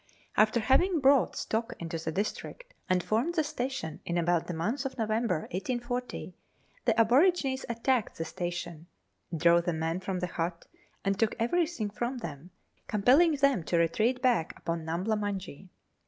After having brought stock into the district, and formed the sta tion in about the month of November 1840, the aborigines attacked the station, drove the men from the hut, and took everything from them, compelling them to retreat back upon Numbla Muujee.